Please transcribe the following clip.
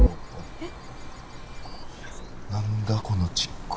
えっ？